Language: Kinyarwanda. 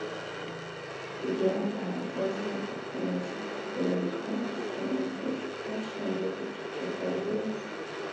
iyo bahageze bakomeza kugororwa bakanigishwa hashingiwe ku cyiciro cya buri wese